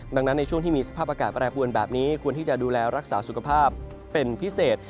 ดังนั้นในช่วงที่มีสภาพอากาศแปรปวนแบบนี้ควรที่จะดูแลรักษาสุขภาพเป็นพิเศษ